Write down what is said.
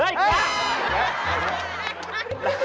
เอ๊ะ